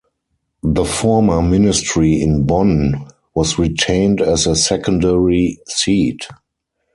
The former ministry in Bonn was retained as a secondary seat.